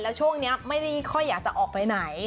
แล้วช่วงนี้ไม่ค่อยอยากจะออกไปไหน